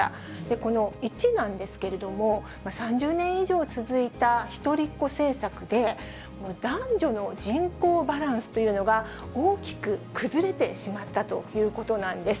この１なんですけれども、３０年以上続いた一人っ子政策で、男女の人口バランスというのが、大きく崩れてしまったということなんです。